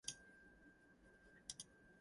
I remember he wanted me to change some chords.